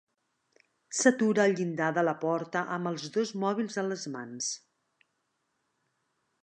S'atura al llindar de la porta amb els dos mòbils a les mans.